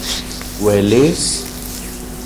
¿Uelis...?